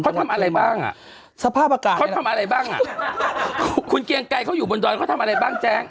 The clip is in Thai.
เขาทำอะไรบ้างอ่ะสภาพอากาศเขาทำอะไรบ้างอ่ะคุณเกียงไกรเขาอยู่บนดอยเขาทำอะไรบ้างแจ๊ง